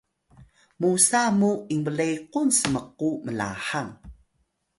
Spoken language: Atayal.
musa mu inblequn smku mlahang